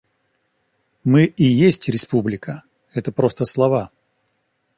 Мы и есть Республика, это просто слова.